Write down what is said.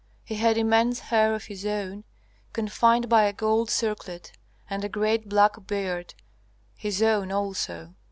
He had immense hair of his own, confined by a gold circlet, and a great black beard, his own also.